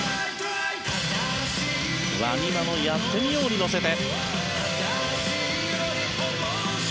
ＷＡＮＩＭＡの「やってみよう」に乗せて。